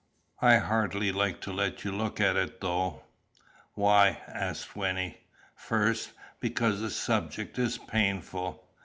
I hardly like to let you look at it, though." "Why?" asked Wynnie. "First, because the subject is painful.